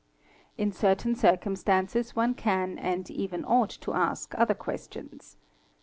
! In certain circumstances one can and even ought to ask other ques tions.